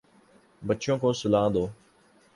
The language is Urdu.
بچوں کو سلا دو